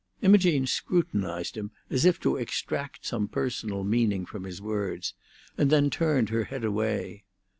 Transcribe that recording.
Imogene scrutinised him as if to extract some personal meaning from his words, and then turned her head away.